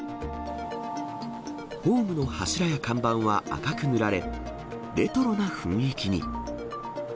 ホームの柱や看板は赤く塗られ、レトロな雰囲気に。